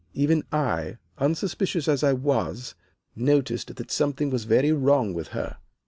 Even I, unsuspicious as I was, noticed that something was very wrong with her.